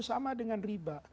sama dengan riba